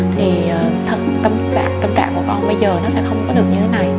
thì tâm trạng của con bây giờ nó sẽ không có được như thế này